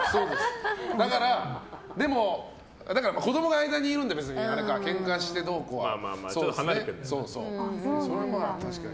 だから、子供が間にいるのでけんかしてどうこうは、確かに。